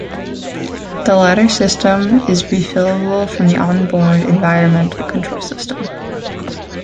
The latter system is refillable from the on-board environmental control system.